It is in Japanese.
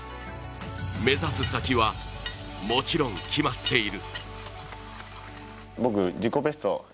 目指す先はもちろん決まっている。